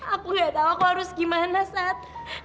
aku gak tahu aku harus gimana sat